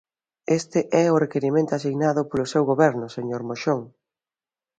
Este é o requirimento asinado polo seu goberno, señor Moxón.